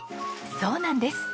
そうなんです。